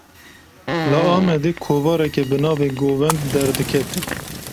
Li Amedê, kovareke bi navê "Govend" derdiket